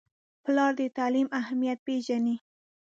پلار د تعلیم اهمیت پیژني.